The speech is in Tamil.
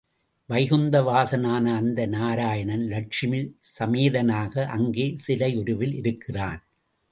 வைகுந்த வாசனான அந்த நாராயணன், லட்சுமி சமேதனாக அங்கே சிலை உருவில் இருக்கிறான்.